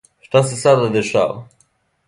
Што се сада дешава?